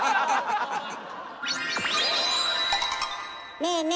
ねえねえ